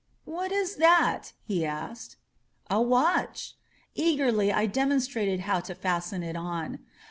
"What is that?" he asked. "A watch !" Eagerly I demonstrated how to fasten it on.